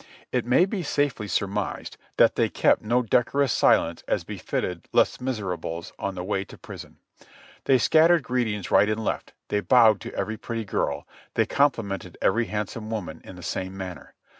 It may be safely surmised that PRISON LIFE AT FORT WARREN 21/ they kept no decorous silence as befitted "les miserables" on the way to prison. They scattered greetings right and left, they bowed to every pretty girl, they complimented every handsome woman in the same manner.